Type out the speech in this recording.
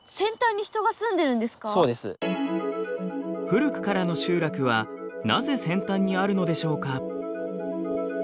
古くからの集落はなぜ扇端にあるのでしょうか？